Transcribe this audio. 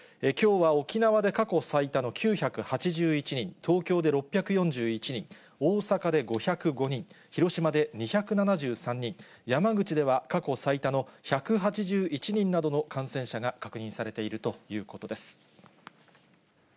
きょうは沖縄で過去最多の９８１人、東京で６４１人、大阪で５０５人、広島で２７３人、山口では過去最多の１８１人などの感染者が確認されているということです。